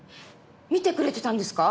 見てくれてたんですか？